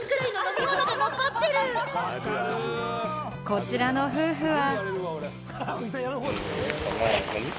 こちらの夫婦は。